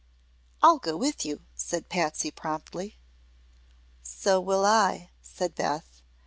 "I'll go with you," said Patsy promptly. "So will I," said Beth.